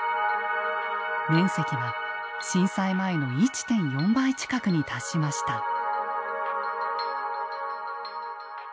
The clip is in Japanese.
面積は震災前の１．４倍近くに達しました。